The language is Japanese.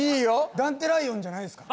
ダンテライオンじゃないんですか？